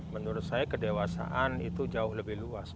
menurut saya kedewasaan itu jauh lebih luas